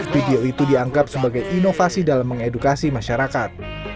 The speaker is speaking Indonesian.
video itu dianggap sebagai inovasi dalam mengedukasi masyarakat